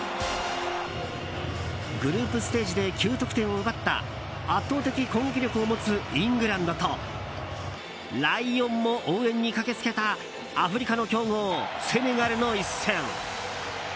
グループステージで９得点を奪った圧倒的攻撃力を持つイングランドとライオンも応援に駆け付けたアフリカの強豪、セネガルの一戦。